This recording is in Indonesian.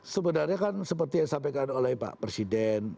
sebenarnya kan seperti yang disampaikan oleh pak presiden